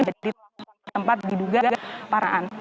menjadi tempat diduga paraan